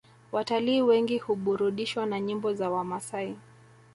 Watalii wengi huburudishwa na nyimbo za wamasai